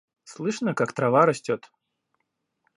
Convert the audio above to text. Слышно как трава растет.